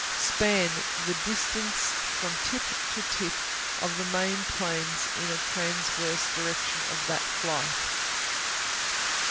Span The distance from tip to tip of the main planes in a transverse direction to that of flight.